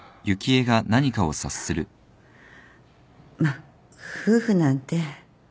まっ夫婦なんて